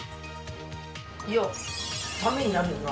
いやためになるよな。